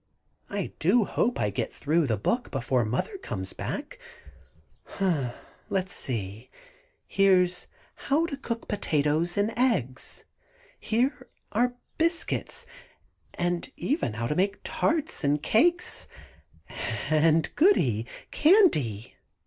I do hope I get through the book before Mother comes back! Let's see, here's 'How to Cook Potatoes,' and 'Eggs'; here are 'Biscuits,' and even how to make 'Tarts' and 'Cakes,' and Goody! Candy!